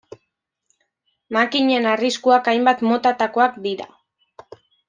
Makinen arriskuak hainbat motatakoak dira.